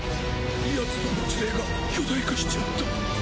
ヤツの持霊が巨大化しちまった。